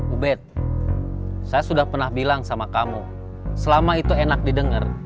ubed saya sudah pernah bilang sama kamu selama itu enak didengar